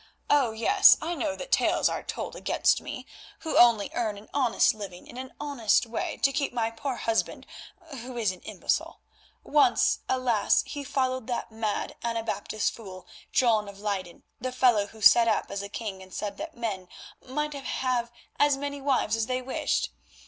Oh! yes, I know that tales are told against me, who only earn an honest living in an honest way, to keep my poor husband, who is an imbecile. Once alas! he followed that mad Anabaptist fool, John of Leyden, the fellow who set up as a king, and said that men might have as many wives as they wished.